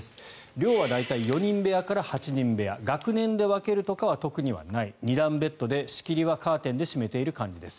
寮は大体４人部屋から８人部屋学年で分けるとかは特にない２段ベッドで、仕切りはカーテンで閉めている感じです。